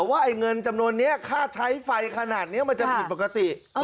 ว่าไอ้เงินจำนวนนี้ค่าใช้ไฟขนาดนี้มันจะผิดปกติ